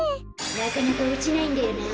なかなかおちないんだよな。